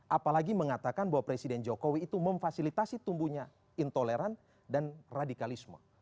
apalagi mengatakan bahwa presiden jokowi itu memfasilitasi tumbuhnya intoleran dan radikalisme